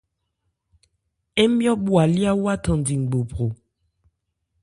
Ńmyɔ́ bhwalyá wa thandi ngbophro.